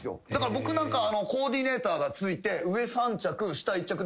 僕なんかコーディネーターがついて。